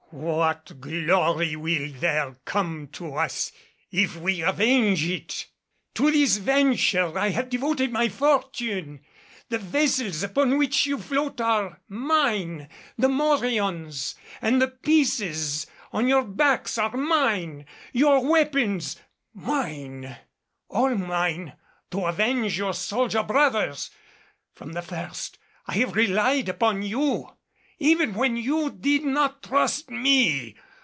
What glory will there come to us, if we avenge it! To this venture I have devoted my fortune. The vessels upon which you float are mine. The morions and the pieces on your backs are mine! Your weapons, mine! All mine to avenge your soldier brothers! From the first I have relied upon you, even when you did not trust me.